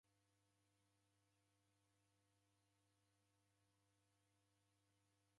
Na w'ushauri ghwaw'o ni ghow'unja w'andu nanyuma.